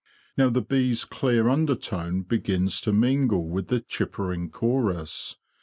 Now the bees' clear tindertone begins to mingle with the chippering chorus.